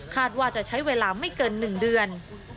ว่าจะใช้เวลาไม่เกิน๑เดือน